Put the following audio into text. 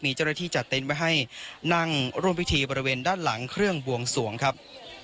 มีเจ้าหน้าที่จัดเต็นต์ไว้ให้นั่งร่วมพิธีบริเวณด้านหลังเครื่องบวงสวงครับ